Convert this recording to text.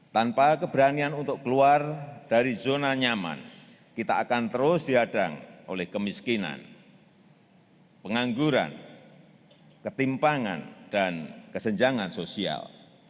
tanpa keberanian untuk keluar dari zona nyaman kita akan terus dihadang oleh kemiskinan pengangguran ketimpangan dan kesenjangan sosial